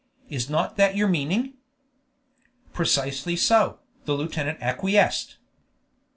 Is not that your meaning?" "Precisely so," the lieutenant acquiesced.